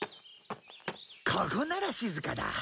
ここなら静かだ。